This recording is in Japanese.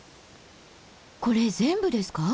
これ全部ですか？